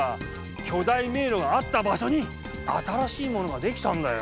巨大迷路があった場所に新しいものが出来たんだよ！